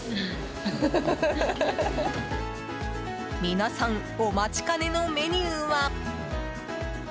皆さんお待ちかねのメニューは。